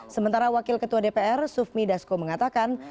sementara wakil ketua dpr sufmi dasko mengatakan